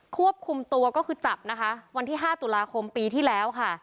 ควบคุมตัวก็คือจับนะคะวันที่๕ตุลาคมปีที่แล้วค่ะ